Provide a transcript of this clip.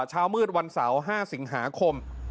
เช้ามืดวันเสาร์๕สิงหาคม